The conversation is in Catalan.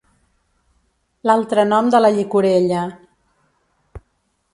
L'altre nom de la llicorella.